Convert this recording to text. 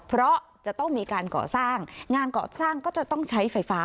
เพราะจะต้องมีการก่อสร้างงานก่อสร้างก็จะต้องใช้ไฟฟ้า